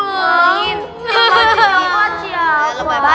nanti jadi bos ya pak